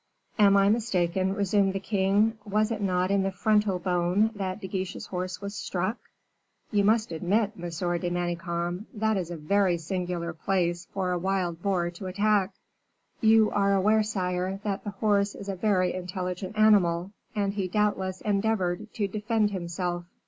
"Am I mistaken," resumed the king, "was it not in the frontal bone that De Guiche's horse was struck? You must admit, Monsieur de Manicamp, that that is a very singular place for a wild boar to attack." "You are aware, sire, that the horse is a very intelligent animal, and he doubtless endeavoured to defend himself."